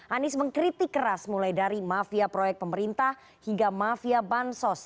anies mengkritik keras mulai dari mafia proyek pemerintah hingga mafia bansos